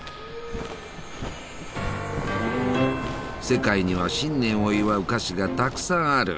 世界には新年を祝う菓子がたくさんある。